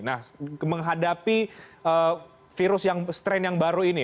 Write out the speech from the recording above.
nah menghadapi virus yang strain yang baru ini